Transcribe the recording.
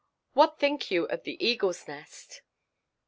What think you of the Eagle's Nest?"